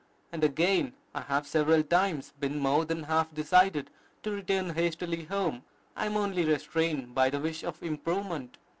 And again, "I have several times been more than half decided to return hastily home: I am only restrained by the wish of improvement."